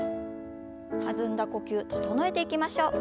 弾んだ呼吸整えていきましょう。